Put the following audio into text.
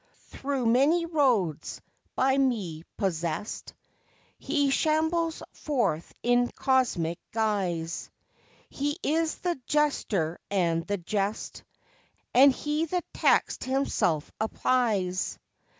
Through many roads, by me possessed, He shambles forth in cosmic guise; He is the Jester and the Jest, And he the Text himself applies.